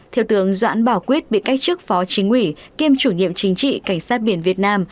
thiếu tướng doãn bảo quyết bị cách chức phó chính ủy kiêm chủ nhiệm chính trị cảnh sát biển việt nam